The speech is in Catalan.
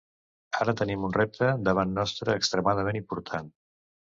Ara tenim un repte davant nostre extremadament important.